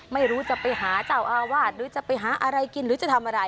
ไม่รู้จะไปหาเจ้าอาวาสหรือจะไปหาอะไรกินหรือจะทำอะไร